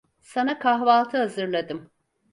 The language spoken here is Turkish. Sana kahvaltı hazırladım.